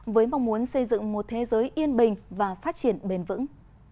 với mong muốn xây dựng một thế giới yên bình và phát triển bền vững